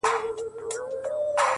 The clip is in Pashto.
پرون مي دومره اوښكي توى كړې گراني،